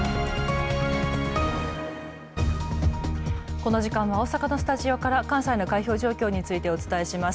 この時間は、大阪のスタジオから関西の開票状況についてお伝えします。